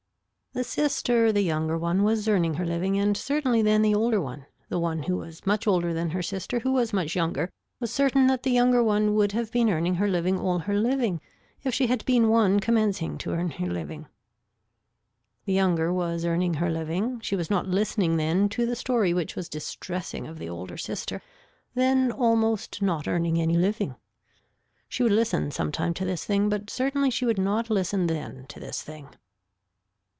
The sister the younger one was earning her living and certainly then the older one, the one who was much older than her sister who was much younger was certain that the younger one would have been earning her living all her living if she had been one commencing to earn her living. The younger was earning her living, she was not listening then to the story which was distressing of the older sister then almost not earning any living. She would listen sometime to this thing but certainly she would not listen then to this thing.